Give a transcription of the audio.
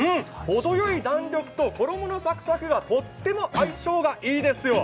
ほどよい弾力と衣のサクサクがとっても相性がいいですね。